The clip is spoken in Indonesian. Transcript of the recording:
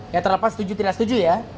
ya terlepas setuju tidak setuju ya